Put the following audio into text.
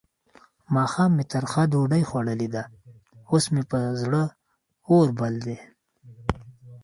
ماښام مې ترخه ډوډۍ خوړلې ده؛ اوس مې پر زړه اور بل دی.